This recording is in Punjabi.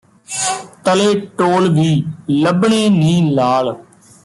ਤਲੇ ਟੋਲ ਵੀ ਲੱਭਣੇ ਨੀ ਲਾਲ